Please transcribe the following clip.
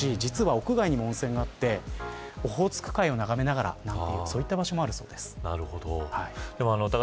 屋外にも温泉があってオホーツク海を眺めながらそういった場所もあるようです。